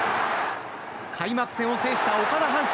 開幕戦を制した、岡田阪神。